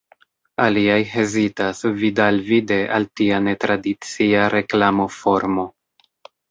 Aliaj hezitas vid-al-vide al tia netradicia reklamo-formo.